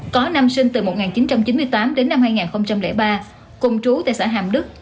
có năm sinh từ một nghìn chín trăm chín mươi tám đến năm hai nghìn ba cùng trú tại xã hàm đức